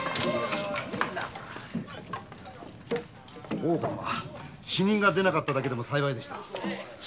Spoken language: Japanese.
大岡様死人が出なかっただけでも幸いでした。